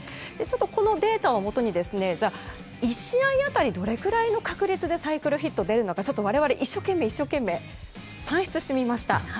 このデータをもとに１試合当たりどれくらいの確率でサイクルヒットが出るのか我々、一生懸命算出してみました。